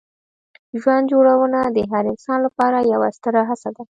ژوند جوړونه د هر انسان لپاره یوه ستره هڅه ده.